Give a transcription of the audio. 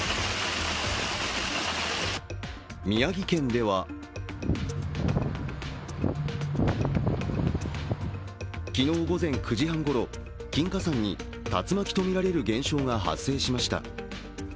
宮城県では昨日午前９時半ごろ金華山に竜巻とみられる現象が発生しました。